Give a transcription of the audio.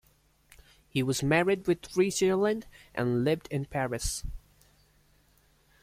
He was married with three children and lived in Paris.